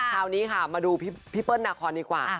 คราวนี้ค่ะมาดูพี่เปิ้ลนาคอนดีกว่า